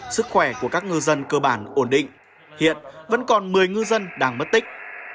sức khỏe của các ngư dân cơ bản ổn định hiện vẫn còn một mươi ngư dân đang mất tích